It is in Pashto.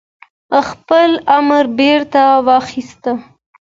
خپل امر بيرته واخيست